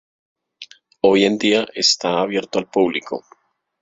Hoy en día está abierto al público.